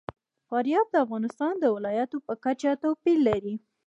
فاریاب د افغانستان د ولایاتو په کچه توپیر لري.